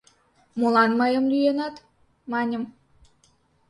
Молан мыйым лӱенат? — маньым.